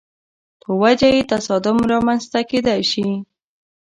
په وجه یې تصادم رامنځته کېدای شي.